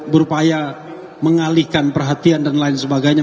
berupaya mengalihkan perhatian dan lain sebagainya